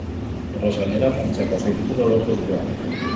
Horrez gainera, Frantziako sei titulu lortu zituen.